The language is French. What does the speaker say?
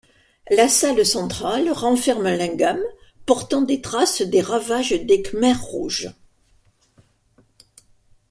La salle centrale renferme un lingam portant des traces des ravages des Khmers rouges.